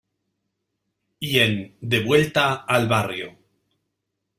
Y en "De vuelta al barrio".